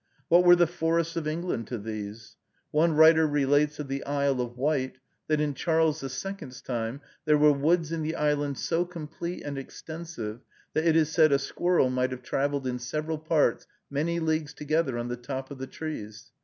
What were the "forests" of England to these? One writer relates of the Isle of Wight, that in Charles the Second's time "there were woods in the island so complete and extensive, that it is said a squirrel might have traveled in several parts many leagues together on the top of the trees."